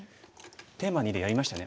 テーマ２でやりましたよね。